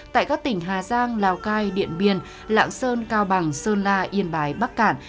tại các tỉnh hà giang lào cai điện biên lạng sơn cao bằng sơn la yên bái bắc cạn